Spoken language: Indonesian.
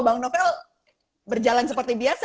bang novel berjalan seperti biasa